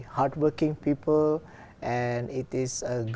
quốc gia việt nam